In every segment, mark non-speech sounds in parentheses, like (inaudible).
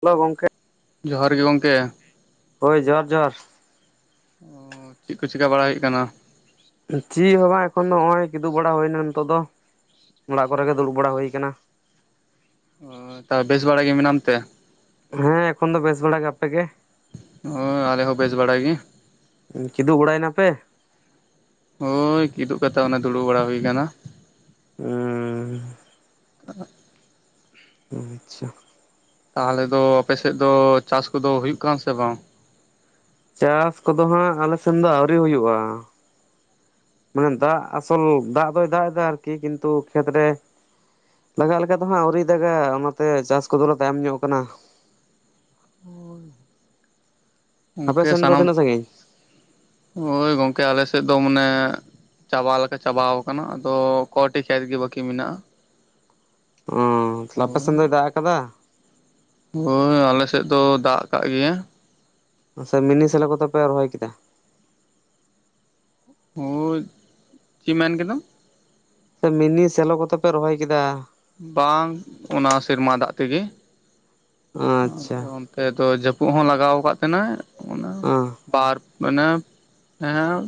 Hello ᱜᱚᱝᱠᱮ, ᱡᱚᱦᱟᱨ ᱜᱮ ᱜᱚᱢᱠᱮ᱾ ᱦᱳᱭ ᱡᱚᱦᱟᱨ ᱡᱚᱦᱟᱨ᱾ ᱚ ᱪᱮᱫ ᱠᱚ ᱪᱮᱠᱟ ᱵᱟᱲᱟᱭ ᱦᱩᱭᱩᱜ ᱠᱟᱱᱟ? ᱪᱤᱫ ᱦᱚᱸ ᱵᱟᱝ ᱮᱠᱷᱚᱱ ᱫᱚ ᱦᱚᱸᱜ-ᱚᱭ ᱠᱤᱫᱩᱵ ᱵᱟᱲᱟ ᱦᱩᱭ ᱮᱱᱟ ᱱᱤᱛᱚᱜ ᱫᱚ᱾ ᱚᱲᱟᱜ ᱠᱚᱨᱮ ᱜᱮ ᱫᱩᱲᱩᱵ ᱵᱟᱲᱟ ᱦᱩᱭ ᱠᱟᱱᱟ᱾ ᱚ ᱛᱟ ᱵᱮᱥ ᱵᱟᱲᱟ ᱜᱮ ᱢᱮᱱᱟᱢ ᱛᱮ? ᱦᱮᱸ ᱮᱠᱷᱚᱱ ᱫᱚ ᱵᱮᱥ ᱵᱟᱲᱟ ᱜᱮ ᱟᱯᱮ ᱜᱮ? ᱚ ᱟᱞᱮ ᱦᱚᱸ ᱵᱮᱥ ᱵᱟᱲᱟ ᱜᱮ᱾ ᱩᱸ ᱠᱤᱫᱩ ᱵᱟᱲᱟᱭ ᱱᱟᱯᱮ? ᱦᱳᱭ ᱠᱤᱫᱩᱵ ᱠᱟᱛᱮ ᱚᱱᱮ ᱫᱩᱲᱩᱵ ᱵᱟᱲᱟ ᱦᱩᱭ ᱠᱟᱱᱟ᱾ ᱩᱸᱻ (inaudible) ᱟ ᱪᱪᱷᱟ᱾ ᱛᱟᱦᱚᱞᱮ ᱫᱚ ᱟᱯᱮ ᱥᱮᱫ ᱫᱚ ᱪᱟᱥ ᱠᱚᱫᱚ ᱦᱩᱭᱩᱜ ᱠᱟᱱᱟ ᱥᱮ ᱵᱟᱝ? ᱪᱟᱥ ᱠᱚᱫᱚ ᱦᱟᱸᱜ ᱟᱞᱮ ᱥᱮᱱ ᱫᱚ ᱟᱹᱣᱨᱤ ᱦᱩᱭᱩᱜ-ᱟ᱾ ᱢᱟᱱᱮ ᱫᱟᱜ ᱟᱥᱚᱞ ᱫᱟᱜ ᱫᱚᱭ ᱫᱟᱜ ᱮᱫᱟ ᱟᱨᱠᱤ ᱠᱤᱱᱛᱩ ᱠᱷᱮᱛ ᱨᱮ ᱞᱟᱜᱟᱜ ᱞᱮᱠᱟ ᱫᱚ ᱦᱟᱸᱜ ᱟᱹᱣᱨᱤ ᱫᱟᱜᱟ ᱚᱱᱟᱛᱮ ᱪᱟᱥ ᱠᱚᱫᱚ ᱞᱮ ᱛᱟᱭᱚᱢ ᱧᱚᱜ ᱠᱟᱱᱟ᱾ ᱟᱯᱮ ᱜᱚᱝᱠᱮ ᱥᱮᱱ ᱫᱚ ᱥᱟᱱᱟᱢ, ᱛᱤᱱᱟᱹᱜ ᱥᱟᱺᱜᱤᱧ ᱦᱳᱭ ᱜᱚᱝᱠᱮ ᱟᱞᱮ ᱥᱮᱫ ᱫᱚ ᱢᱟᱱᱮ ᱪᱟᱵᱟ ᱞᱮᱠᱟ ᱪᱟᱵᱟᱣ ᱠᱟᱱᱟ ᱟᱫᱚ ᱠᱚᱴᱤ ᱠᱷᱮᱛ ᱜᱮ ᱵᱟᱠᱤ ᱢᱮᱱᱟᱜ-ᱟ᱾ ᱚᱸ ᱛᱟᱞᱮ ᱟᱯᱮ ᱦᱳᱭ ᱥᱮᱱ ᱫᱚᱭ ᱫᱟᱜ ᱟᱠᱟᱫᱟ? ᱦᱳᱭ ᱟᱞᱮ ᱥᱮᱫ ᱫᱚ ᱫᱟᱜ ᱟᱠᱟᱫ ᱜᱮᱭᱟ᱾ ᱟ ᱥᱮ ᱢᱤᱱᱤ ᱥᱮᱞᱳ ᱠᱚᱛᱮ ᱯᱮ ᱨᱚᱦᱚᱭ ᱠᱮᱫᱟ? ᱦᱳᱭ, ᱪᱤ ᱢᱮᱱ ᱠᱮᱫᱟᱢ? ᱥᱮ ᱢᱤᱱᱤ ᱥᱮᱞᱚ ᱠᱚᱛᱮ ᱯᱮ ᱨᱚᱦᱚᱭ ᱠᱮᱫᱟ? ᱵᱟᱝ ᱚᱱᱟ ᱥᱮᱨᱢᱟ ᱫᱟᱜ ᱛᱮᱜᱮ᱾ ᱟᱪᱪᱷᱟ ᱟᱫᱚ ᱛᱮ ᱫᱚ ᱡᱟᱹᱯᱩᱜ ᱦᱚᱸ ᱞᱟᱜᱟᱣ ᱠᱟᱜ ᱛᱟᱦᱮᱱᱟᱭ ᱚᱱᱟ ᱚᱸ ᱚ ᱵᱟᱨ ᱢᱟᱱᱮ ᱮᱸ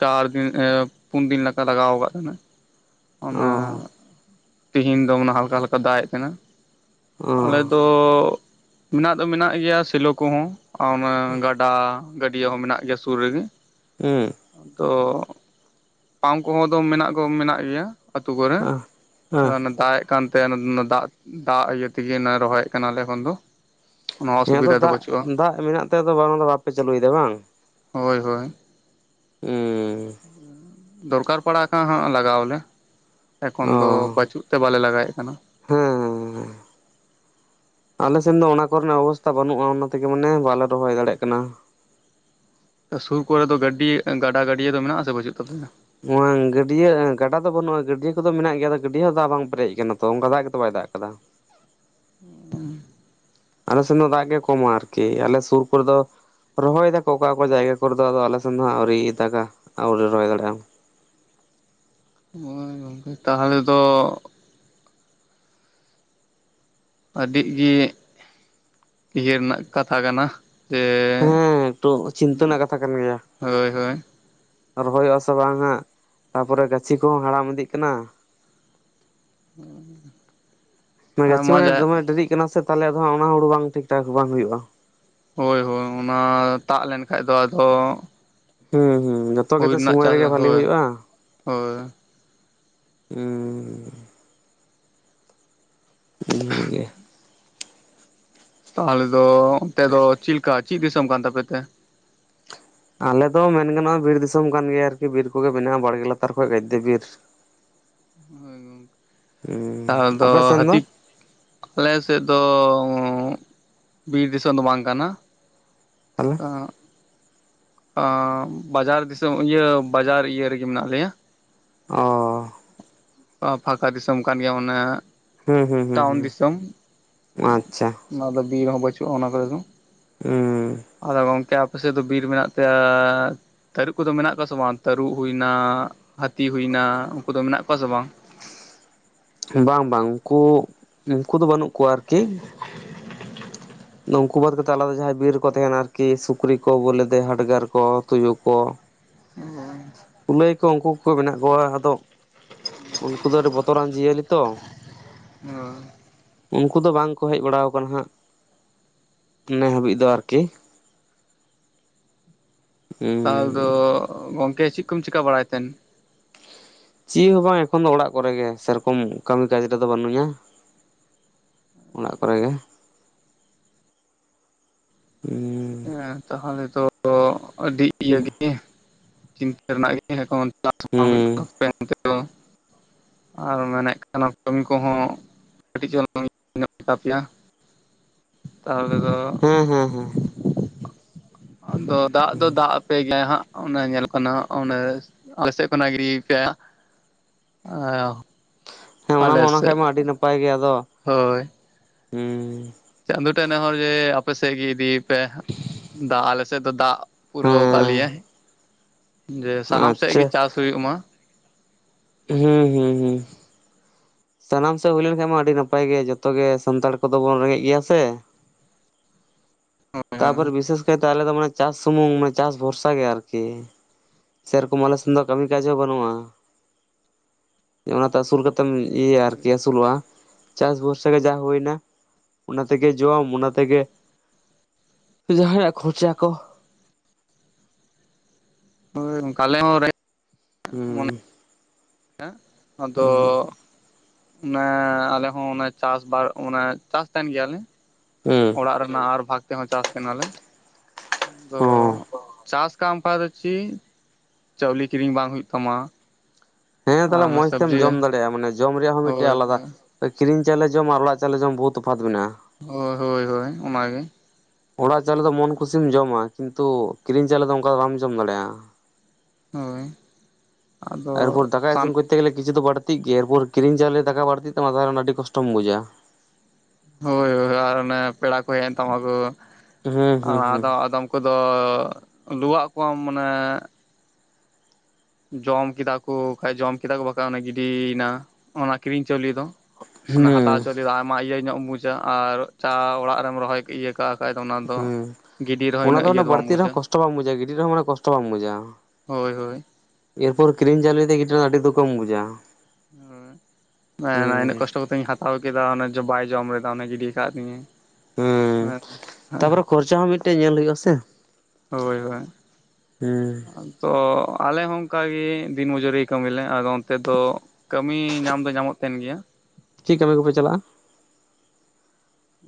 ᱪᱟᱨ ᱫᱤᱱ ᱮ ᱯᱩᱱ ᱫᱤᱱ ᱞᱮᱠᱟ ᱞᱟᱜᱟᱣ ᱠᱟᱜ ᱛᱟᱦᱮᱸᱱᱟᱭ᱾ ᱚ ᱚᱱᱟ ᱛᱤᱦᱤᱱ ᱫᱚ ᱢᱟᱱᱮ ᱦᱟᱞᱠᱟ ᱦᱟᱞᱠᱟ ᱫᱟᱜ ᱮᱫ ᱛᱟᱦᱮᱱᱟ᱾ ᱦᱩᱸ ᱚ ᱟᱞᱮ ᱛᱚ, ᱢᱮᱱᱟᱜ ᱫᱚ ᱢᱮᱱᱟᱜ ᱜᱮᱭᱟ ᱥᱮᱞᱚ ᱠᱚᱦᱚᱸ᱾ ᱚᱱᱟ ᱜᱟᱰᱟ, ᱜᱟᱹᱰᱭᱟᱹ ᱦᱚᱸ ᱢᱮᱱᱟᱜ ᱜᱮᱭᱟ ᱥᱩᱨ ᱨᱮᱜᱮ᱾ ᱩᱸ᱾ ᱟᱫᱚ ᱯᱟᱢᱯ ᱠᱚᱦᱚᱸ ᱫᱚᱢ ᱢᱮᱱᱟᱜ ᱠᱚ ᱢᱮᱱᱟᱜ ᱜᱚ ᱢᱮᱱᱟᱜ ᱜᱮᱭᱟ ᱟᱹᱛᱩ ᱠᱚᱨᱮ, ᱚ ᱟᱫᱚ ᱚᱱᱮ ᱫᱟᱜ ᱮ ᱠᱟᱱᱛᱮ ᱚᱱᱟ ᱱᱟ ᱫᱟᱜ ᱫᱟᱜ ᱤᱭᱟᱹ ᱛᱮᱜᱮ ᱱᱟ ᱨᱚᱦᱚᱭᱮᱫ ᱠᱟᱱᱟᱞᱮ ᱮᱠᱷᱚᱱ ᱫᱚ᱾ ᱚᱱᱟ ᱦᱮᱸ ᱟᱫᱚ ᱚᱥᱩᱵᱤᱫᱷᱟ ᱫᱚ ᱫᱟᱜ ᱵᱟᱹᱪᱩᱜᱼᱟ ᱫᱟᱜ ᱢᱮᱱᱟᱜ ᱛᱮ ᱟᱫᱚ ᱵᱟᱝ ᱫᱚ ᱵᱟᱯᱮ ᱪᱟᱹᱞᱩᱭ ᱫᱟ ᱵᱟᱝ? ᱦᱳᱭ ᱦᱳᱭ᱾ ᱩᱸᱻ ᱫᱚᱨᱠᱟᱨ ᱯᱟᱲᱟᱣ ᱠᱷᱟᱱ ᱦᱟᱸᱜ ᱞᱟᱜᱟᱣ ᱟᱞᱮ, ᱮᱠᱷᱚᱱ ᱫᱚ ᱵᱟᱪᱩᱜ ᱛᱮ ᱵᱟᱞᱮ ᱞᱟᱜᱟᱣᱮᱫ ᱠᱟᱱᱟ᱾ ᱦᱮᱸᱻ ᱟᱞᱮ ᱥᱮᱱ ᱫᱚ ᱚᱱᱟ ᱠᱚᱨᱮᱱᱟᱜ ᱚᱵᱚᱥᱛᱟ ᱵᱟᱹᱱᱩᱜᱼᱟ ᱚᱱᱟ ᱛᱮᱜᱮ ᱢᱟᱱᱮ ᱵᱟᱞᱮ ᱨᱚᱦᱚᱭ ᱫᱟᱲᱮᱭᱟᱜ ᱠᱟᱱᱟ᱾ ᱥᱩᱨ ᱠᱚᱨᱮ ᱫᱚ ᱜᱟᱹᱰᱤ ᱮ ᱜᱟᱰᱟ ᱜᱟᱹᱰᱭᱟᱹ ᱫᱚ ᱢᱮᱱᱟᱜᱼᱟ ᱥᱮ ᱵᱟᱹᱪᱩᱜ ᱛᱟᱯᱮᱭᱟ? ᱱᱚᱣᱟᱝ ᱜᱟᱹᱰᱭᱟᱹ ᱮᱸ ᱜᱟᱰᱟ ᱫᱚ ᱵᱟᱹᱱᱩᱜᱼᱟ ᱜᱟᱹᱰᱤᱭᱟᱹ ᱠᱚᱫᱚ ᱢᱮᱱᱟᱜ ᱜᱮᱭᱟ ᱟᱫᱚ ᱜᱟᱹᱰᱤᱭᱟᱹ ᱦᱚᱸ ᱫᱟᱜ ᱵᱟᱝ ᱯᱮᱨᱮᱡ ᱟᱠᱟᱱᱟ ᱛᱚ ᱚᱱᱠᱟ ᱫᱟᱜ ᱜᱮᱛᱚ ᱵᱟᱭ ᱫᱟᱜ ᱟᱠᱟᱫᱟ᱾ (inaudible) ᱟᱞᱮ ᱥᱮᱱ ᱫᱚ ᱫᱟᱜ ᱜᱮ ᱠᱚᱢᱟ ᱟᱨᱠᱤ, ᱟᱞᱮ ᱥᱩᱨ ᱠᱚᱨᱮ ᱫᱚ ᱨᱚᱦᱚᱭ ᱫᱟᱠᱚ ᱚᱠᱟ ᱚᱠᱟ ᱡᱟᱭᱜᱟ ᱠᱚᱨᱮ ᱫᱚ ᱟᱫᱚ ᱟᱞᱮ ᱥᱮᱱ ᱫᱚ ᱦᱟᱸᱜ ᱟᱹᱣᱨᱤ ᱫᱟᱜᱟ, ᱟᱣᱨᱤ ᱨᱚᱦᱚᱭ ᱫᱟᱲᱮᱜ-ᱟ ᱚᱝ ᱳᱭ ᱜᱚᱝᱠᱮ ᱛᱟᱦᱚᱞᱮ ᱛᱚ ᱟᱹᱰᱤᱜ ᱜᱤ ᱤᱭᱟᱹ ᱨᱮᱱᱟᱜ ᱠᱟᱛᱷᱟ ᱠᱟᱱᱟ᱾ ᱡᱮ ᱦᱮᱸ ᱴᱩᱜ ᱪᱤᱱᱛᱟᱹ ᱱᱟᱜ ᱠᱟᱛᱷᱟ ᱠᱟᱱ ᱜᱮᱭᱟ᱾ ᱦᱳᱭ ᱦᱳᱭ ᱨᱚᱦᱚᱭᱚᱜ-ᱟ ᱥᱮ ᱵᱟᱝ ᱦᱟᱸᱜ, ᱛᱟᱯᱚᱨᱮ ᱜᱟᱹᱪᱷᱤ ᱠᱚᱦᱚᱸ ᱦᱟᱲᱟᱢ ᱤᱫᱤᱜ ᱠᱟᱱᱟ᱾ ᱩᱸ ᱢᱮ ᱜᱟᱪᱷᱤ ᱢᱟᱱᱮ ᱫᱚᱢᱮ ᱰᱮᱨᱤᱜ ᱠᱟᱱᱟ ᱥᱮ ᱛᱟᱦᱚᱞᱮ ᱟᱫᱚ ᱦᱟᱸᱜ ᱚᱱᱟ ᱦᱩᱲᱩ ᱵᱟᱝ ᱴᱷᱤᱠ ᱴᱷᱟᱠ ᱵᱟᱝ ᱦᱩᱭᱩᱜᱼᱟ᱾ ᱦᱳᱭ ᱦᱳᱭ ᱚᱱᱟ ᱛᱟᱜ ᱞᱮᱱ ᱠᱷᱟᱡ ᱫᱚ ᱟᱫᱚ ᱦᱩᱸ ᱦᱩᱸ ᱡᱚᱛᱚ ᱦᱩᱭ ᱜᱮᱛᱚ ᱨᱮᱱᱟᱜ ᱥᱚᱢᱚᱭ ᱪᱟᱥ ᱨᱮᱜᱮ ᱵᱷᱟᱞᱤ ᱦᱳᱭ ᱦᱩᱭᱩᱜᱼᱟ, ᱦᱳᱭ ᱦᱩᱸ ᱤᱱᱟᱹ ᱜᱮ᱾ ᱛᱟᱦᱚᱞᱮ ᱫᱚ ᱚᱱᱛᱮ ᱫᱚ ᱪᱤᱫ ᱞᱮᱠᱟ ᱪᱤᱫ ᱫᱤᱥᱚᱢ ᱠᱟᱱ ᱛᱟᱯᱮ ᱛᱮ? ᱟᱞᱮ ᱫᱚ ᱢᱮᱱ ᱜᱟᱱᱚᱜᱼᱟ ᱵᱤᱨ ᱫᱤᱥᱚᱢ ᱠᱟᱱ ᱜᱮᱭᱟ ᱟᱨᱠᱤ, ᱵᱤᱨ ᱠᱚᱜᱮ ᱢᱮᱱᱟᱜᱼᱟ ᱵᱟᱲᱜᱮ ᱞᱟᱛᱟᱨ ᱠᱚᱨᱮᱜ ᱜᱟᱫᱫᱮ ᱵᱤᱨ᱾ ᱦᱩᱸ ᱛᱟᱦᱚᱞᱮ ᱫᱚ ᱟᱯᱮ ᱥᱮᱱ ᱦᱟᱹᱛᱤ ᱟᱞᱮ ᱥᱮᱫ ᱫᱚ ᱚᱸᱜ ᱵᱤᱨ ᱫᱤᱥᱚᱢ ᱫᱚ ᱵᱟᱝ ᱠᱟᱱᱟ᱾ ᱛᱟᱞᱦᱮ? ᱟᱸ ᱟᱸ ᱵᱟᱡᱟᱨ ᱫᱤᱥᱚᱢ ᱤᱭᱟᱹ ᱵᱟᱡᱟᱨ ᱤᱭᱟᱹ ᱨᱮᱜᱮ ᱢᱮᱱᱟᱜ ᱞᱮᱭᱟ᱾ ᱚ ᱟᱸ ᱯᱷᱟᱠᱟ ᱫᱤᱥᱚᱢ ᱠᱟᱱ ᱜᱮᱭᱟ ᱢᱟᱱᱮ ᱦᱩᱸ ᱦᱩᱸ ᱦᱩᱸ ᱦᱩᱸ ᱟᱪᱪᱷᱟ᱾ ᱚᱱᱟ ᱫᱚ ᱵᱤᱨ ᱦᱚᱸ ᱵᱟᱪᱩᱜᱼᱟ ᱚᱱᱟ ᱠᱚᱨᱮ ᱫᱚ᱾ ᱩᱸ ᱟᱫᱚ ᱜᱚᱝᱠᱮ ᱟᱯᱮ ᱥᱮᱫ ᱫᱚ ᱵᱤᱨ ᱢᱮᱱᱟᱜ ᱛᱮ ᱟ ᱛᱟᱹᱨᱩᱵᱽ ᱠᱚᱫᱚ ᱢᱮᱱᱟᱜ ᱠᱚᱣᱟ ᱥᱮ ᱵᱟᱝ? ᱛᱟᱹᱨᱩᱵ ᱦᱩᱭᱱᱟ, ᱦᱟᱹᱛᱤ ᱦᱩᱭᱱᱟ, ᱩᱱᱠᱩ ᱫᱚ ᱢᱮᱱᱟᱜ ᱠᱚᱣᱟ ᱥᱮ ᱵᱟᱝ? ᱵᱟᱝ ᱵᱟᱝ ᱩᱱᱠᱩ, ᱩᱱᱠᱩ ᱫᱚ ᱵᱟᱹᱱᱩᱜ ᱠᱚᱣᱟ ᱟᱨᱠᱤ, (inaudible) ᱱᱩᱝᱠᱩ ᱵᱟᱫ ᱠᱟᱛᱮ ᱟᱞᱟᱫᱟ ᱡᱟᱦᱟᱸᱭ ᱵᱤᱨ ᱨᱮᱠᱚ ᱛᱟᱦᱮᱱᱟ ᱟᱨᱠᱤ ᱥᱩᱠᱨᱤ ᱠᱚ ᱵᱚᱞᱮ ᱫᱮ ᱦᱟᱰᱜᱟᱨ ᱠᱚ ᱛᱩᱭᱩ ᱠᱚ ᱚᱜ ᱜᱟᱹᱭ ᱠᱚ ᱩᱱᱠᱩ ᱠᱚᱜᱮ ᱢᱮᱱᱟᱜ ᱠᱚᱣᱟ ᱟᱫᱚ ᱩᱱᱠᱩ ᱫᱚ ᱟᱹᱰᱤ ᱵᱚᱛᱚᱨᱟᱱ ᱡᱤᱭᱟᱹᱞᱤ ᱛᱚ᱾ ᱚ᱾ ᱩᱱᱠᱩ ᱫᱚ ᱵᱟᱝ ᱠᱚ ᱦᱮᱡ ᱵᱟᱲᱟᱣ ᱠᱟᱱᱟ ᱦᱟᱸᱜ᱾ ᱤᱱᱟᱹ ᱦᱟᱵᱤᱡ ᱫᱚ ᱟᱨᱠᱤ᱾ ᱛᱟᱞ ᱫᱚ ᱜᱚᱝᱠᱮ ᱪᱤᱫ ᱠᱚᱢ ᱪᱤᱠᱟ ᱵᱟᱲᱟᱭ ᱛᱮᱱ? ᱪᱤᱫ ᱦᱚᱸ ᱵᱟᱝ ᱮᱠᱷᱚᱱ ᱫᱚ ᱚᱲᱟᱜ ᱠᱚᱨᱮ ᱜᱮ, ᱥᱮᱨᱚᱠᱚᱢ ᱠᱟᱹᱢᱤ ᱠᱟᱡᱽ ᱨᱮᱫᱚ ᱵᱟᱹᱱᱩᱧᱟ᱾ ᱚᱲᱟᱜ ᱠᱚᱨᱮ ᱜᱮ᱾ ᱩᱸ ᱮᱸ ᱛᱟᱦᱚᱞᱮ ᱛᱚ ᱟᱹᱰᱤ ᱤᱭᱟᱹ ᱜᱮ, ᱪᱤᱱᱛᱟᱹ ᱨᱮᱱᱟᱜ ᱜᱮ ᱮᱠᱷᱚᱱ ᱦᱮᱸ (inaudible) ᱟᱨ ᱢᱮᱱᱮᱫ ᱠᱟᱱᱟᱢ ᱠᱟᱹᱢᱤ ᱠᱚᱦᱚᱸ (inaudible) ᱯᱮᱭᱟ, ᱛᱟᱦᱞᱮ ᱫᱚ ᱦᱩᱸ ᱦᱩᱸ᱾ ᱟᱫᱚ ᱫᱟᱜ ᱫᱚ ᱫᱟᱜ ᱟᱯᱮ ᱜᱮᱭᱟᱭ ᱦᱟᱸᱜ ᱚᱱᱟ ᱧᱮᱞᱚᱜ ᱠᱟᱱᱟ ᱚᱸᱰᱮ, ᱟᱞᱮ ᱥᱮᱫ ᱠᱷᱚᱱᱟᱜ (inaudible) ᱟᱸ ᱦᱮᱸ ᱚᱱᱟ ᱢᱟ ᱚᱱᱟ ᱠᱷᱟᱡ ᱢᱟ ᱟᱹᱰᱤ ᱱᱟᱯᱟᱭ ᱜᱮᱭᱟ ᱟᱫᱚ ᱦᱳᱭ᱾ ᱦᱩᱸ ᱪᱟᱸᱫᱚ ᱴᱷᱮᱡ ᱱᱮᱦᱚᱨ ᱡᱮ ᱟᱯᱮ ᱥᱮᱫ ᱜᱮ ᱤᱫᱤᱭᱮ ᱯᱮ, ᱫᱟᱜ ᱟᱞᱮ ᱥᱮᱫ ᱫᱚ ᱫᱟᱜ ᱯᱩᱨᱟᱹᱣ ᱠᱟᱜ ᱦᱮᱸ ᱞᱮᱭᱟᱭ ᱡᱮ ᱥᱟᱱᱟᱢ ᱥᱮᱫ ᱜᱮ ᱟᱪᱪᱷᱟ ᱪᱟᱥ ᱦᱩᱭᱩᱜ ᱢᱟ᱾ ᱦᱩᱸ ᱦᱩᱸ᱾ ᱦᱩᱸ ᱦᱩᱸ᱾ ᱥᱟᱱᱟᱢ ᱥᱮᱫ ᱦᱩᱭ ᱞᱮᱱ ᱠᱷᱟᱱ ᱢᱟ ᱟᱹᱰᱤ ᱱᱟᱯᱟᱭ ᱜᱮ ᱡᱷᱚᱛᱚ ᱜᱮ ᱥᱟᱱᱛᱟᱲ ᱠᱚᱫᱚ ᱵᱚᱱ ᱨᱮᱸᱜᱮᱡ ᱜᱮᱭᱟ ᱥᱮ᱾ ᱛᱟᱯᱚᱨ ᱵᱤᱥᱮᱥ ᱠᱟᱭᱛᱮ ᱟᱞᱮ ᱫᱚ ᱢᱟᱱᱮ ᱪᱟᱥ ᱥᱩᱢᱩᱝ ᱢᱟᱱᱮ ᱪᱟᱥ ᱵᱷᱚᱨᱥᱟ ᱜᱮ ᱟᱹᱨᱠᱤ᱾ ᱥᱮ ᱨᱚᱠᱚᱢ ᱟᱞᱮ ᱥᱮᱱ ᱫᱚ ᱠᱟᱹᱢᱤ ᱠᱟᱡ ᱦᱚᱸ ᱵᱟᱹᱱᱩᱜ-ᱟ᱾ ᱚᱱᱟᱛᱮ ᱟᱹᱥᱩᱞ ᱠᱟᱛᱮᱢ ᱤᱭᱟᱹᱭᱟ ᱟᱹᱨᱠᱤ ᱟᱹᱥᱩᱞᱚᱜ-ᱟ᱾ ᱪᱟᱥ ᱵᱷᱚᱨᱥᱟ ᱜᱮ ᱡᱟᱦᱟ ᱦᱳᱭᱱᱟ᱾ ᱚᱱᱟ ᱛᱮᱜᱮ ᱡᱚᱢ ᱚᱱᱟ ᱛᱮᱜᱮ ᱡᱟᱦᱟᱸᱭ ᱟᱜ ᱠᱷᱚᱨᱪᱟ ᱠᱚ᱾ ᱦᱳᱭ ᱚᱝᱠᱟ ᱟᱞᱮ ᱦᱚᱸ ᱨᱮ ᱦᱩᱸ᱾ (inaudible) ᱟᱫᱚ᱾ ᱚᱱᱮ ᱟᱞᱮ ᱦᱚᱸ ᱚᱱᱮ ᱪᱟᱥ ᱵᱟᱨ ᱚᱱᱮ ᱪᱟᱥ ᱛᱟᱦᱮᱸᱱ ᱜᱮᱭᱟᱞᱮ᱾ ᱦᱩᱸ᱾ ᱚᱲᱟᱜ ᱨᱮᱱᱟᱜ ᱟᱨ ᱵᱷᱟᱜᱽ ᱛᱮᱦᱚᱸ ᱪᱟᱥ ᱠᱟᱱᱟᱞᱮ᱾ ᱟᱫᱚ ᱦᱚᱸ ᱪᱟᱥ ᱚᱱᱠᱟ ᱟᱢᱯᱟ ᱫᱚ ᱪᱮᱫ ᱪᱟᱣᱞᱮ ᱠᱤᱨᱤᱧ ᱵᱟᱝ ᱦᱩᱭᱩᱜ ᱛᱟᱢᱟ᱾ ᱦᱮᱸ ᱛᱟᱦᱚᱸᱞᱮ ᱟᱨ ᱢᱚᱸᱡᱽ ᱛᱮᱢ ᱥᱚᱵᱽᱡᱤ ᱡᱚᱢ ᱫᱟᱲᱮᱭᱟᱜ-ᱟ ᱢᱟᱱᱮ, ᱡᱚᱢ ᱨᱮᱭᱟᱜ ᱦᱚᱸ ᱢᱤᱫᱴᱮᱡ ᱦᱳᱭ ᱟᱞᱟᱫᱟ ᱦᱳᱭ ᱠᱤᱨᱤᱧ ᱪᱟᱣᱞᱮ ᱡᱚᱢ ᱟᱨ ᱚᱲᱟᱜ ᱪᱟᱣᱞᱮ ᱡᱚᱢ ᱵᱚᱦᱩᱛ ᱛᱚᱯᱷᱟᱛ ᱢᱮᱱᱟᱜ-ᱟ᱾ ᱦᱳᱭ ᱦᱳᱭ ᱦᱳᱭ ᱚᱱᱟᱜᱮ᱾ ᱚᱲᱟᱜ ᱪᱟᱣᱞᱮ ᱫᱚ ᱢᱚᱱ ᱠᱩᱥᱤᱢ ᱡᱚᱢᱟ, ᱠᱤᱱᱛᱩ ᱠᱤᱨᱤᱧ ᱪᱟᱣᱞᱮ ᱫᱚ ᱚᱱᱠᱟ ᱫᱚ ᱵᱟᱢ ᱡᱚᱢ ᱫᱟᱲᱮᱭᱟᱜ-ᱟ᱾ ᱦᱳᱭ ᱟᱫᱚ ᱟᱨᱯᱚᱨ ᱫᱟᱠᱟ ᱥᱟᱱ ᱤᱥᱤᱱ ᱠᱚ ᱛᱮ ᱜᱮᱞᱮ ᱠᱤᱷᱩ ᱫᱚ ᱵᱟᱹᱲᱛᱤᱜ ᱜᱮᱭᱟ ᱮᱨᱯᱚᱨ ᱠᱤᱨᱤᱧ ᱪᱟᱣᱞᱮ ᱫᱟᱠᱟ ᱵᱟᱹᱲᱛᱤᱜ ᱛᱟᱢᱟ ᱛᱟᱦᱚᱸᱞᱮ ᱟᱹᱰᱤ ᱠᱚᱥᱴᱚᱢ ᱵᱩᱡᱟ ᱾ ᱦᱳᱭ ᱦᱳᱭ ᱟᱨ ᱚᱱᱮ ᱯᱮᱲᱟ ᱠᱚ ᱦᱮᱡ ᱮᱱ ᱛᱟᱢᱟ ᱠᱚ ᱦᱩᱸ ᱦᱩᱸ ᱟᱫᱚ‌ ᱟᱫᱚᱢ ᱠᱚᱫᱚᱻ ᱞᱩᱣᱟᱜ ᱠᱚᱣᱟᱢ ᱢᱟᱱᱮ ᱡᱚᱢ ᱠᱮᱫᱟ ᱠᱚ ᱵᱟᱠᱷᱟᱡ ᱡᱚᱢ ᱠᱮᱫᱟ ᱠᱚ ᱵᱟᱠᱷᱟᱡ ᱚᱱᱮ ᱜᱤᱰᱤᱭᱮᱱᱟ ᱚᱱᱟ ᱠᱤᱨᱤᱧ ᱪᱟᱣᱞᱮ ᱫᱚ ᱦᱩᱸ ᱚᱱᱟ ᱦᱩᱸ ᱦᱟᱛᱟᱣ ᱪᱟᱣᱞᱮ ᱟᱭᱢᱟ ᱤᱭᱟᱹ ᱧᱚᱜ ᱮᱢ ᱵᱩᱡᱟ ᱟᱨ ᱪᱟ ᱚᱲᱟᱜ ᱨᱮᱢ ᱨᱚᱦᱚᱭ ᱚᱱᱠᱟ ᱠᱷᱟᱡ ᱫᱚ ᱚᱱᱟ ᱫᱚ, ᱦᱩᱸ ᱜᱤᱰᱤ ᱨᱮᱦᱚᱸ ᱚᱱᱟ ᱩᱱᱟᱹᱜ ᱤᱭᱟᱹ ᱚᱱᱟ ᱫᱚ ᱵᱟᱢ ᱵᱟᱹᱲᱛᱤ ᱨᱮᱦᱚᱸ ᱵᱩᱡᱟ᱾ ᱠᱚᱥᱴᱚ ᱵᱟᱢ ᱵᱩᱡᱟ ᱜᱤᱰᱤ ᱨᱮᱦᱚᱸ ᱢᱟᱱᱮ ᱠᱚᱥᱴᱚ ᱦᱳᱭ ᱦᱳᱭ᱾ ᱮᱨ ᱯᱚᱨ ᱠᱤᱨᱤᱧ ᱪᱟᱣᱞᱮ ᱜᱤᱰᱤ ᱫᱚ ᱟᱹᱰᱤ ᱫᱩᱠ ᱮᱢ ᱵᱩᱡᱟ᱾ ᱦᱳᱭ ᱤᱱᱟᱹᱜ ᱦᱩᱸ ᱠᱚᱥᱴᱚ ᱠᱟᱛᱮᱜᱧ ᱦᱟᱛᱟᱣ ᱠᱮᱫᱟ ᱚᱱᱮ ᱡᱮ ᱵᱟᱭ ᱡᱚᱢ ᱞᱮᱫᱟ ᱚᱱᱮ ᱜᱤᱰᱤ ᱟᱠᱟᱫ ᱛᱤᱧᱟ ᱦᱩᱸᱢ ᱛᱟᱯᱚᱨᱮ ᱠᱷᱚᱨᱪᱟ ᱦᱚᱸ ᱢᱤᱫᱴᱮᱡ ᱧᱮᱞ ᱦᱩᱭᱩᱜ ᱟᱥᱮ᱾ ᱦᱳᱭ ᱦᱳᱭ᱾ ᱛᱚ ᱟᱞᱮ ᱦᱚᱸ ᱚᱱᱠᱟᱜᱮ, ᱫᱤᱱ ᱢᱩᱡᱩᱨᱤ ᱠᱟᱹᱢᱤᱞᱮ ᱟᱫᱚ ᱚᱱᱛᱮ ᱫᱚ ᱠᱟᱹᱢᱤ ᱧᱟᱢ ᱫᱚ ᱧᱟᱢᱚᱜ ᱛᱟᱦᱮᱸᱱ ᱜᱮᱭᱟ᱾ ᱪᱤᱫ ᱠᱟᱹᱢᱤ ᱠᱚᱯᱮ ᱪᱟᱞᱟᱜ-ᱟ᱾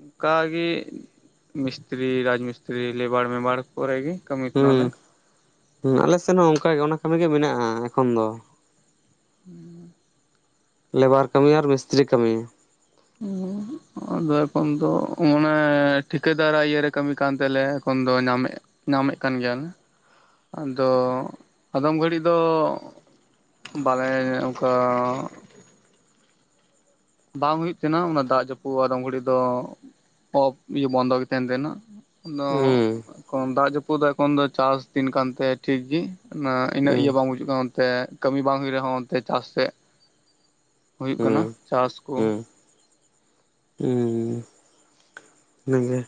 ᱚᱱᱠᱟᱜᱮ ᱢᱤᱥᱛᱨᱤ ᱨᱟᱡᱽᱢᱤᱥᱛᱨᱤ ᱞᱮᱵᱟᱲ ᱢᱮᱵᱟᱲ᱾ ᱯᱚᱨᱮ ᱜᱮ ᱠᱟᱹᱢᱤ ᱠᱟᱱᱟ ᱞᱮ᱾ ᱦᱮᱸ ᱟᱞᱮᱥᱮᱫ ᱦᱚᱸ ᱚᱱᱠᱟᱜ ᱚᱱᱟ ᱠᱟᱹᱢᱤ ᱜᱮ ᱢᱮᱱᱟᱜ-ᱟ ᱮᱠᱷᱚᱱ ᱫᱚ᱾ (inaudible) ᱞᱮᱵᱟᱨ ᱠᱟᱹᱢᱤ ᱟᱨ ᱢᱤᱥᱛᱨᱤ ᱠᱟᱹᱢᱤ᱾ ᱚᱻ᱾ ᱟᱫᱚ ᱮᱠᱷᱚᱱ ᱫᱚ ᱢᱟᱱᱮ ᱴᱷᱤᱠᱟᱹ ᱫᱟᱨᱟᱜ ᱤᱭᱟᱹ ᱨᱮ ᱠᱟᱹᱢᱤ ᱠᱟᱱ ᱛᱮᱞᱮ ᱮᱠᱷᱚᱱ ᱫᱚ ᱧᱟᱢᱮᱫ-ᱟ᱾ ᱧᱟᱢᱮᱫ ᱠᱟᱱ ᱜᱮᱭᱟ, ᱟᱫᱚ ᱟᱫᱚᱢ ᱜᱷᱟᱹᱲᱤᱡ ᱫᱚ᱾ ᱵᱟᱞᱮ ᱚᱱᱠᱟ ᱾ ᱵᱟᱝ ᱦᱳᱭᱩᱜ ᱛᱟᱦᱮᱸᱱᱟ ᱚᱱᱟ ᱫᱟᱜ ᱡᱟᱯᱩᱫ ᱟᱫᱚᱢ ᱜᱷᱟᱹᱲᱤ ᱫᱚ ᱳᱯ ᱤᱭᱟᱹ ᱵᱚᱱᱫᱚ ᱜᱮ ᱛᱟᱦᱮᱸᱱ ᱛᱟᱦᱮᱸᱱᱟ ᱾ ᱟᱫᱚ ᱦᱩᱸ ᱠᱚᱱ ᱫᱟᱜ ᱡᱟᱯᱩᱫ ᱫᱚ ᱮᱠᱷᱚᱱ ᱫᱚ ᱪᱟᱥᱫᱤᱱ ᱠᱟᱱ ᱛᱟᱭ ᱛᱮ ᱴᱷᱤᱠᱜᱤ᱾ ᱚᱱᱟ ᱤᱱᱟᱹᱜ ᱦᱩᱸ ᱤᱭᱟᱹ ᱵᱟᱝ ᱵᱩᱡᱩᱜ ᱠᱟᱱᱟ ᱚᱱᱛᱮ ᱠᱟᱹᱢᱤ ᱵᱟᱝ ᱦᱩᱭᱩᱜ ᱨᱮᱦᱚᱸ ᱚᱱᱛᱮ ᱪᱟᱥ ᱥᱮᱫ ᱦᱳᱭᱳᱜ ᱠᱟᱱᱟ ᱦᱩᱸ ᱪᱟᱥ ᱠᱚ, ᱦᱩᱸ ᱦᱩᱸ, ᱦᱮᱸᱜᱮ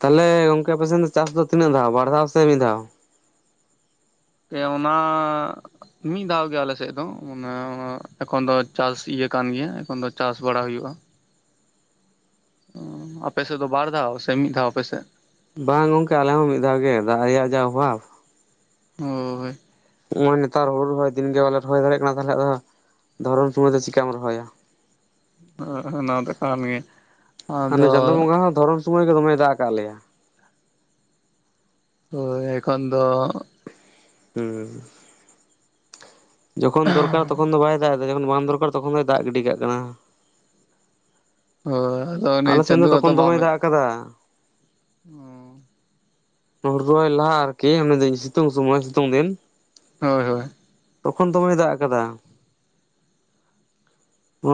ᱛᱟᱦᱞᱮ ᱜᱚᱢᱠᱮ ᱟᱯᱮ ᱥᱮᱫ ᱫᱚ ᱪᱟᱥ ᱫᱚ ᱛᱤᱱᱟᱹᱜ ᱫᱷᱟᱣ ᱵᱟᱨ ᱫᱷᱟᱣ ᱥᱮ ᱢᱤᱫ ᱫᱷᱟᱣ? ᱮᱸ ᱚᱱᱟᱸᱻ ᱢᱤᱫ ᱫᱷᱟᱣ ᱜᱮ ᱟᱞᱮ ᱥᱮᱫ ᱫᱚ ᱮᱠᱷᱚᱱ ᱫᱚ ᱪᱟᱥ ᱤᱭᱟᱹ ᱠᱟᱱ ᱜᱮᱭᱟ ᱮᱠᱷᱚᱱ ᱫᱚ ᱪᱟᱥ ᱵᱟᱲᱟ ᱦᱳᱭᱳᱜᱼᱟ᱾ ᱟᱯᱮ ᱥᱮᱫ ᱫᱚ ᱵᱟᱨ ᱫᱷᱟᱣ ᱥᱮ ᱢᱤᱫ ᱫᱷᱟᱣ ᱟᱯᱮ ᱥᱮᱫ? ᱵᱟᱝ ᱜᱚᱢᱠᱮ ᱟᱞᱮ ᱦᱚᱸ ᱢᱤᱫ ᱫᱷᱟᱣ ᱜᱮ ᱫᱟᱜ ᱨᱮᱭᱟᱜ ᱡᱟ ᱚᱵᱷᱟᱵᱽ ᱾ ᱦᱳᱭ, ᱱᱚᱜᱼᱚᱭ ᱱᱮᱛᱟᱨ ᱦᱩᱲᱩ ᱨᱚᱦᱚᱭ ᱫᱤᱱ ᱜᱮ ᱵᱟᱞᱮ ᱨᱚᱦᱚᱭ ᱫᱟᱲᱮᱭᱟᱜ ᱠᱟᱱᱟ, ᱛᱟᱦᱚᱞᱮ ᱟᱫᱚ ᱫᱷᱚᱨᱚᱱ ᱥᱩᱢᱚᱭ ᱫᱚ ᱪᱤᱠᱟᱢ ᱨᱚᱦᱚᱭᱟ? ᱦᱮᱸ ᱚᱱᱟ ᱫᱚ ᱠᱟᱱ ᱜᱮ᱾ ᱦᱟᱱᱮ ᱟᱫᱚ ᱪᱟᱸᱫᱳ ᱵᱚᱸᱜᱟ ᱦᱚᱸ ᱫᱷᱚᱨᱚᱱ ᱥᱩᱢᱟᱹᱭ ᱜᱮ ᱫᱚᱢᱮ ᱫᱟᱜ ᱟᱠᱟᱫ ᱞᱮᱭᱟ᱾ ᱛᱚ ᱮᱠᱷᱚᱱ ᱫᱚ, ᱦᱩᱸᱻ ᱡᱚᱠᱷᱚᱱ ᱫᱚᱨᱠᱟᱨ ᱛᱚᱠᱷᱚᱱ ᱫᱚ ᱵᱟᱭ ᱫᱟᱜ ᱮᱫᱟ ᱡᱚᱠᱷᱚᱱ ᱵᱟᱝ ᱫᱚᱨᱠᱟᱨ ᱛᱚᱠᱷᱚᱱ ᱫᱚᱭ ᱫᱟᱜ ᱜᱤᱰᱤ ᱠᱟᱜ ᱠᱟᱱᱟ᱾ ᱚᱻ ᱟᱫᱚ ᱩᱱᱤ ᱟᱞᱮ ᱥᱮᱱ ᱪᱟᱸᱫᱳ ᱫᱚ ᱟᱫᱚ ᱛᱚᱠᱷᱚᱱ ᱫᱚᱢᱮᱭ ᱵᱟᱢᱮ ᱫᱟᱜ ᱟᱠᱟᱫᱟ, (unintelligible) ᱨᱚᱦᱚᱭ ᱞᱟᱦᱟ ᱟᱨᱠᱤ ᱮ ᱥᱤᱛᱩᱝ ᱥᱚᱢᱚᱭ ᱥᱤᱛᱩᱝ ᱫᱤᱱ, ᱦᱳᱭ ᱦᱳᱭ, ᱛᱚᱠᱷᱚᱱ ᱫᱚᱢᱮ ᱫᱟᱜ ᱟᱠᱟᱫᱟ ᱾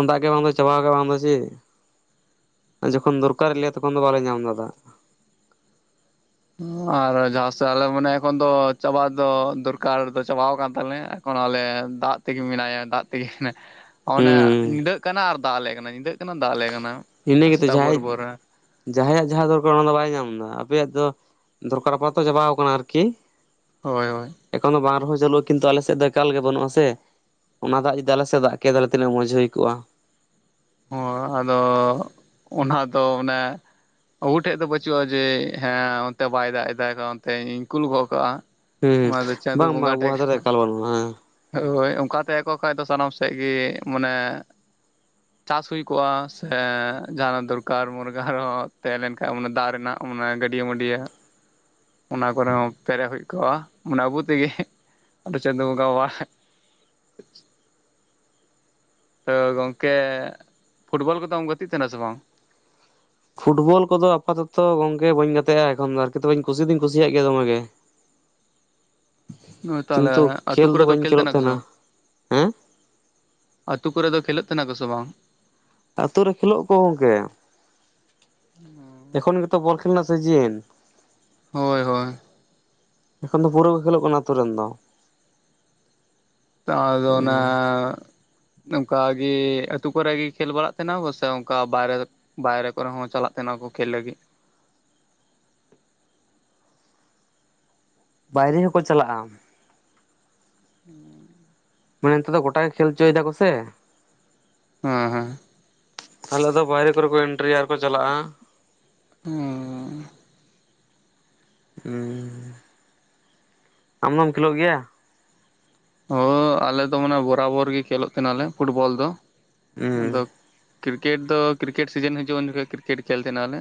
ᱫᱟᱜ ᱜᱮ ᱵᱟᱝ ᱫᱚ ᱪᱟᱵᱟ ᱵᱟᱝ ᱫᱚ ᱪᱮᱫ? ᱡᱚᱠᱷᱚᱱ ᱫᱚᱨᱠᱟᱨ ᱟᱞᱮᱭᱟ ᱛᱚᱠᱷᱚᱱ ᱫᱚ ᱵᱟᱞᱮ ᱧᱟᱢ ᱫᱟᱜ ᱾ ᱟᱨ ᱡᱟᱦᱟᱸᱥᱮᱫ ᱟᱞᱮ ᱢᱟᱱᱮ ᱮᱠᱷᱚᱱ ᱫᱚ ᱪᱟᱵᱟ ᱫᱚ ᱫᱚᱨᱠᱟᱨ ᱫᱚ ᱪᱟᱵᱟᱣ ᱟᱠᱟᱱ ᱛᱟᱞᱮ ᱾ ᱞᱮ ᱫᱟᱜ ᱛᱮ ᱜᱮ ᱢᱮᱱᱟᱭᱟ ᱫᱟᱜ, ᱴᱤᱠ ᱚᱱᱮ ᱦᱩᱸ ᱧᱤᱫᱟᱹᱜ ᱠᱟᱱᱟ ᱟᱨ ᱫᱟᱜ ᱟᱞᱮ ᱠᱟᱱᱟ ᱧᱤᱫᱟᱹᱜ ᱠᱟᱱᱟ ᱫᱟᱜ ᱟᱞᱮ ᱠᱟᱱᱟ ᱾ ᱤᱱᱟᱹ ᱜᱮ ᱛᱚ ᱡᱟᱦᱟᱸᱟᱭ ᱡᱟᱦᱟᱸᱭᱟᱜ ᱡᱟᱦᱟᱸ ᱫᱚᱨᱠᱟᱨ ᱚᱱᱟ ᱫᱚ ᱵᱟᱭ ᱧᱟᱢ ᱮᱫᱟ ᱟᱯᱮᱭᱟᱜ ᱫᱚ, ᱫᱚᱨᱠᱟᱨ ᱟᱯᱟᱛᱚ ᱪᱟᱵᱟᱣ ᱟᱠᱟᱱᱟ ᱟᱨᱠᱤ ᱾ ᱦᱳᱭ ᱦᱳᱭ, ᱮᱠᱷᱚᱱ ᱫᱚ ᱵᱟᱝ ᱨᱚᱦᱚᱭ ᱪᱟᱹᱞᱩᱜᱼᱟ ᱠᱤᱱᱛᱩ ᱟᱞᱮ ᱥᱮᱫ ᱫᱚ ᱮᱠᱟᱞ ᱜᱮ ᱵᱟᱹᱱᱩᱜ ᱟ ᱥᱮ᱾ ᱚᱱᱟ ᱫᱟᱜ ᱡᱩᱫᱤ ᱟᱞᱮ ᱥᱮᱫ ᱫᱟᱜ ᱠᱮᱭᱟᱭ ᱛᱤᱱᱟᱹᱜ ᱢᱚᱡᱽ ᱦᱳᱭ ᱠᱚᱜᱼᱟ᱾ ᱦᱳᱭ, ᱟᱫᱚ ᱚᱱᱟ ᱫᱚ ᱚᱱᱮ ᱟᱵᱚ ᱴᱷᱮᱡ ᱫᱚ ᱵᱟᱹᱪᱩᱜᱼᱟ ᱡᱮ ᱦᱮᱸ ᱚᱱᱛᱮ ᱵᱟᱭ ᱫᱟᱜ ᱮᱫᱟᱭ ᱚᱱᱛᱮ ᱤᱧ ᱠᱩᱞ ᱜᱚᱫ ᱠᱟᱜᱼᱟ ᱾ ᱦᱩᱸ ᱚᱱᱟ ᱫᱚ ᱪᱟᱸᱫᱳ ᱵᱟᱝ ᱵᱟᱝ ᱵᱚᱸᱜᱟ ᱴᱷᱮᱡ ᱟᱵᱚᱣᱟᱜ ᱫᱚ ᱠᱟᱱᱟ ᱮᱠᱟᱞ ᱵᱟᱹᱱᱩᱜᱼᱟ ᱦᱮᱸ ᱾ ᱦᱳᱭ, ᱚᱝᱠᱟ ᱛᱟᱦᱮᱸᱠᱚ ᱠᱷᱟᱱ ᱫᱚ ᱥᱟᱱᱟᱢ ᱥᱮᱫ ᱜᱮ ᱢᱟᱱᱮ ᱪᱟᱥ ᱦᱩᱭ ᱠᱚᱜᱼᱟ ᱥᱮ ᱡᱟᱦᱱᱟᱜ ᱫᱚᱨᱠᱟᱨ ᱢᱩᱨᱜᱟᱹᱱ ᱨᱮ ᱦᱚᱸ ᱛᱟᱦᱮᱸ ᱞᱮᱱ ᱠᱷᱟᱱ ᱡᱟᱱᱮ ᱫᱟᱜ ᱨᱮᱱᱟᱜ ᱾ ᱚᱢᱱᱮ ᱜᱟᱹᱰᱭᱟᱹ ᱢᱟᱹᱰᱭᱟᱹ ᱦᱟᱸᱜ, ᱚᱱᱟ ᱠᱚᱨᱮ ᱦᱚᱸ ᱯᱮᱨᱮᱡ ᱦᱩᱭ ᱠᱚᱜᱼᱟ ᱢᱟᱱᱮ ᱟᱵᱚ ᱛᱮ ᱜᱮ ᱪᱟᱸᱫᱚ ᱵᱚᱝᱜᱟᱣᱟᱜ, (unintelligible) ᱛᱚ ᱜᱚᱠᱮ ᱯᱷᱩᱴᱵᱚᱞ ᱠᱚᱫᱚᱢ ᱜᱟᱛᱤᱜ ᱛᱟᱦᱮᱱᱟ ᱥᱮ ᱵᱟᱝ? ᱯᱷᱩᱴᱵᱚᱞ ᱠᱚ ᱫᱚ ᱟᱯᱟᱛᱚᱛᱚ ᱜᱚᱢᱠᱮ ᱵᱟᱹᱧ ᱜᱟᱛᱮᱜᱼᱟ ᱮᱠᱷᱚᱱ ᱫᱚ ᱟᱨᱠᱤ ᱠᱩᱥᱤ ᱫᱩᱧ ᱠᱩᱥᱤᱭᱟᱜ ᱜᱮᱭᱟ ᱫᱚᱢᱮ ᱾ (unintelligible) ᱦᱳᱭ ᱛᱟᱦᱚᱞᱮ ᱠᱤᱱᱛᱩ ᱟᱹᱛᱩ ᱠᱷᱮᱞ ᱠᱚᱨᱮ ᱫᱚ ᱵᱟᱹᱧ ᱠᱮᱞ ᱠᱷᱮᱞᱳᱜ ᱠᱟᱱᱟ ᱠᱟ ᱥᱮ ᱛᱟᱦᱮᱱᱟ ᱵᱟᱝ? ᱦᱮᱸ ᱟᱹᱛᱩ ᱠᱚᱨᱮ ᱫᱚ ᱠᱷᱮᱞᱳᱜ ᱠᱟᱱᱟ ᱠᱚ ᱥᱮ ᱵᱟᱝ? ᱟᱹᱛᱩ ᱨᱮ ᱠᱷᱮᱞᱳᱜ ᱠᱚ ᱜᱚᱢᱠᱮ ᱾ ᱮᱠᱷᱚᱱ ᱜᱮ ᱛᱚ ᱵᱚᱞ ᱠᱷᱮᱞ ᱨᱮᱱᱟᱜ ᱥᱤᱡᱤᱱ ᱾ ᱦᱳᱭ ᱦᱳ-ᱼ ᱮᱠᱷᱚᱱ ᱫᱚ ᱯᱩᱨᱟᱹ ᱜᱮ ᱠᱷᱮᱞᱳᱜ ᱠᱟᱱᱟ ᱟᱹᱛᱩᱳ ᱨᱮᱱ ᱫᱚ᱾ ᱛᱟᱨᱫᱚ ᱚᱱᱟ ᱢᱟᱱᱮ ᱚᱱᱠᱟᱜᱤ ᱟᱹᱛᱩ ᱠᱚᱨᱮᱜᱮ ᱠᱷᱮᱞ ᱵᱟᱲᱟᱜ ᱛᱟᱦᱮᱸᱱᱟ ᱠᱚ ᱥᱮ ᱚᱱᱠᱟ ᱵᱟᱭᱨᱮ ᱵᱟᱭᱨᱮ ᱠᱚᱨᱮ ᱦᱚ ᱪᱟᱞᱟᱜ ᱛᱟᱦᱮᱸᱱᱟ ᱠᱚ ᱠᱷᱮᱞ ᱞᱟᱹᱜᱤᱫ᱾ ᱵᱟᱭᱨᱮ ᱦᱚᱸᱠᱚ ᱪᱟᱞᱟᱜ-ᱟ᱾ (inaudible) ᱢᱟᱱᱮ ᱱᱤᱛᱚᱜ ᱫᱚ ᱜᱚᱴᱟ ᱜᱮ ᱠᱷᱮᱞᱪᱚᱭ ᱫᱟᱠᱚ ᱥᱮ᱾ ᱦᱮᱸ ᱦᱮᱸ᱾ ᱟᱞᱮ ᱫᱚ ᱵᱟᱭᱨᱮ ᱠᱚᱨᱮ ᱠᱚ ᱮᱱᱴᱨᱤᱭᱟ ᱟᱨᱠᱚ ᱪᱟᱞᱟᱜ-ᱟ᱾ ᱦᱮᱸ᱾ ᱩᱸ, ᱟᱢ ᱢᱟᱢ ᱠᱷᱮᱞᱳᱜ ᱜᱮᱭᱟ? ᱦ ᱟᱞᱮᱫᱚ ᱢᱟᱱᱮ ᱵᱚᱨᱟᱵᱚᱨ ᱜᱮ ᱠᱷᱮᱞᱳᱜ ᱛᱟᱦᱮᱸᱱᱟᱞᱮ ᱯᱷᱩᱴᱵᱚᱞ ᱫᱚ, ᱟᱫᱚ ᱦᱩᱸ ᱠᱨᱤᱠᱮᱴ ᱫᱚ ᱠᱨᱤᱠᱮᱴ ᱥᱤᱡᱮᱱ ᱦᱤᱡᱩᱜ-ᱟ ᱩᱱ ᱡᱚᱠᱷᱚᱡ ᱠᱨᱤᱠᱮᱴ ᱠᱷᱮᱞ ᱛᱟᱦᱮᱸᱱᱟ ᱞᱮ᱾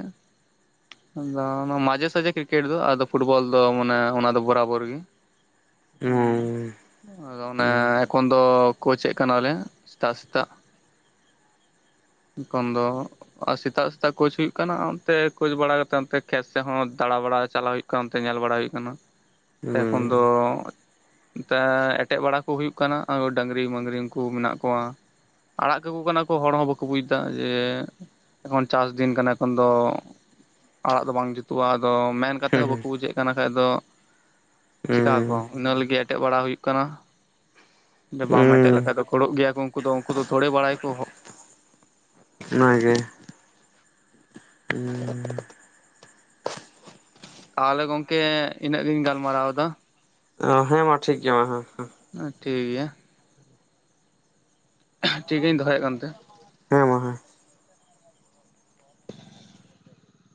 ᱟᱫᱚ ᱢᱟᱡᱷᱮ ᱥᱟᱡᱷᱮ ᱠᱨᱤᱠᱮᱴ ᱫᱚ ᱟᱫᱚ ᱯᱷᱩᱴᱵᱚᱞ ᱫᱚ ᱢᱟᱱᱮ ᱚᱱᱟ ᱫᱚ ᱵᱚᱨᱟᱵᱚᱨ ᱜᱮ᱾ ᱚ᱾ ᱦᱩᱸ ᱟᱫᱚ ᱚᱱᱮ ᱦᱩᱸ ᱮᱠᱷᱚᱱ ᱫᱚ ᱠᱳᱪᱮᱫ ᱠᱟᱱᱟᱞᱮ ᱥᱮᱛᱟᱜ ᱥᱮᱛᱟᱜ᱾ ᱮᱠᱷᱚᱱ ᱫᱚ᱾ ᱟᱨ ᱥᱮᱛᱟᱜ ᱥᱮᱛᱟᱜ ᱠᱳᱪ ᱦᱩᱭᱩᱜᱭ ᱠᱟᱱᱟ ᱚᱱᱛᱮ ᱠᱳᱪ ᱵᱟᱲᱟ ᱠᱟᱛᱮᱫ ᱚᱱᱛᱮ ᱠᱷᱮᱛ ᱥᱮᱫ ᱦᱚᱸ ᱫᱟᱬᱟ ᱵᱟᱲᱟ ᱪᱟᱞᱟᱜ ᱦᱩᱭᱩᱜ ᱠᱟ ᱚᱱᱛᱮ ᱧᱮᱞ ᱵᱟᱲᱟ ᱦᱩᱭᱩᱜ ᱠᱟᱱᱟ᱾ ᱦᱩᱸ ᱮᱠᱷᱚᱱ ᱫᱚ ᱛᱟᱻ ᱮᱴᱮᱫ ᱵᱟᱲᱟ ᱠᱚ ᱦᱩᱭᱩᱜ ᱠᱟᱱᱟ ᱟᱨᱚ ᱰᱟᱹᱝᱨᱤ ᱢᱟᱹᱝᱨᱤ ᱩᱱᱠᱩ ᱢᱮᱱᱟᱜ ᱠᱚᱣᱟ᱾ ᱟᱲᱟᱜ ᱠᱟᱠᱚ ᱠᱟᱱᱟ ᱠᱚ ᱦᱚᱲ ᱦᱚᱸ ᱵᱟᱠ ᱠᱚ ᱵᱩᱡ ᱮᱫᱟ ᱡᱮ, ᱮᱠᱷᱚᱱ ᱪᱟᱥ ᱫᱤᱱ ᱠᱟᱱᱟ ᱮᱠᱷᱚᱱ ᱫᱚ᱾ ᱟᱲᱟᱜ ᱫᱚ ᱵᱟᱝ ᱡᱩᱛᱩᱜ-ᱟ ᱟᱫᱚ ᱢᱮᱱ᱾ ᱠᱟᱛᱮ ᱦᱚᱸ ᱦᱩᱸ ᱵᱟᱠᱚ ᱵᱩᱡᱷᱮᱫ ᱠᱟᱱᱟ ᱠᱷᱟᱡ ᱫᱚ ᱪᱮᱠᱟ ᱟᱠᱚ ᱦᱩᱸ ᱤᱱᱟᱹ ᱞᱟᱹᱜᱤᱫ ᱮᱴᱮᱫ ᱵᱟᱲᱟ ᱦᱩᱭᱩᱜ ᱠᱟᱱᱟ᱾ ᱡᱮ ᱵᱟᱢ ᱮᱴᱮᱫ ᱦᱩᱸ ᱞᱮᱠᱷᱟᱡ ᱫᱚ ᱜᱩᱲᱚᱜ ᱜᱮᱭᱟᱠᱚ ᱩᱱᱠᱩ ᱫᱚ ᱩᱱᱠᱩ ᱫᱚ ᱛᱷᱚᱲᱮ ᱵᱟᱲᱟᱭ ᱟᱠᱚ᱾ ᱚᱱᱟᱜᱮ᱾ ᱦᱩᱸᱻ᱾ ᱛᱟᱦᱚᱸᱞᱮ ᱜᱚᱝᱠᱮ ᱤᱱᱟᱹᱜ ᱜᱤᱧ ᱜᱟᱞᱢᱟᱨᱟᱣ ᱮᱫᱟ᱾ ᱚ ᱦᱮᱸ ᱢᱟ ᱴᱷᱤᱠ ᱜᱮᱭᱟ ᱢᱟ ᱦᱮᱸ ᱦᱮᱸ᱾ ᱴᱷᱤᱠ ᱜᱮᱭᱟ᱾ ᱴᱷᱤᱠ ᱜᱮᱭᱟ ᱫᱚᱦᱚᱭᱮᱫ ᱠᱟᱱ ᱛᱟᱦᱮᱸ ᱦᱮᱸ ᱢᱟ᱾